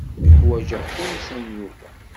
Ḥwaǧeɣ tansa n Yuba.